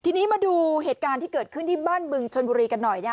ทีนี้มาดูเหตุการณ์ที่เกิดขึ้นที่บ้านบึงชนบุรีกันหน่อย